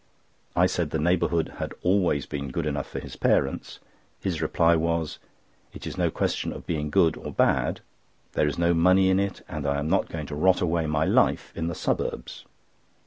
I said the neighbourhood had always been good enough for his parents. His reply was: "It is no question of being good or bad. There is no money in it, and I am not going to rot away my life in the suburbs."